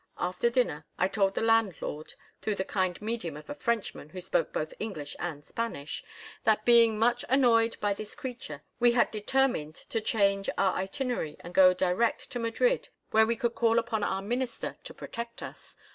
After dinner I told the landlord—through the kind medium of a Frenchman who spoke both English and Spanish—that, being much annoyed by this creature, we had determined to change our itinerary and go direct to Madrid where we could call upon our minister to protect us.